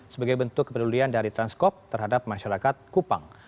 sebagai bentuk kepedulian dari transkop terhadap masyarakat kupang